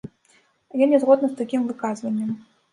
Я не згодна з такім выказваннем.